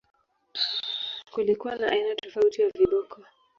Kulikuwa na aina tofauti ya viboko